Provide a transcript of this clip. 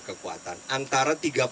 kekuatan antara tiga puluh